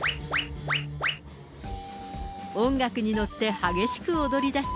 音楽に乗って激しく踊りだす